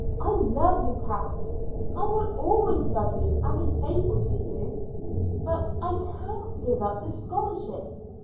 I love you. Kathleen I will always love you and be faithful to you but I can't give up the scholarship."